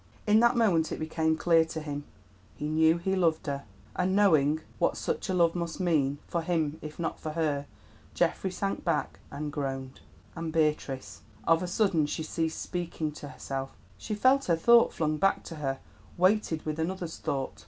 In that moment it became clear to him: he knew he loved her, and knowing what such a love must mean, for him if not for her, Geoffrey sank back and groaned. And Beatrice? Of a sudden she ceased speaking to herself; she felt her thought flung back to her weighted with another's thought.